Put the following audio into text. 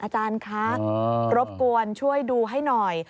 อาจารย์คะรบกวนช่วยดูให้หน่อย